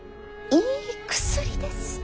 いい薬です。